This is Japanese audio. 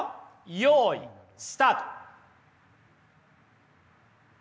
よいスタート！